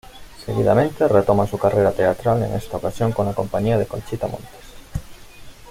Seguidamente retoma su carrera teatral en esta ocasión con la compañía de Conchita Montes.